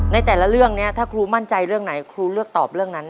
ในแต่ละเรื่องนี้ถ้าครูมั่นใจเรื่องไหนครูเลือกตอบเรื่องนั้น